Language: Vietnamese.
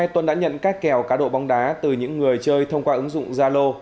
tuân đã nhận các kèo cá độ bóng đá từ những người chơi thông qua ứng dụng zalo